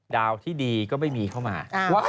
ดาวที่ดีก็ไม่มีเข้ามา